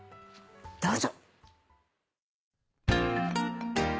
どうぞ。